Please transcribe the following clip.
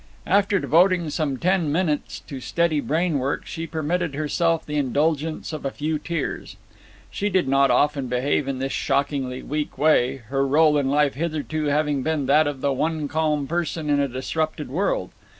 After devoting some ten minutes to steady brainwork she permitted herself the indulgence of a few tears. She did not often behave in this shockingly weak way, her role in life hitherto having been that of the one calm person in a disrupted world.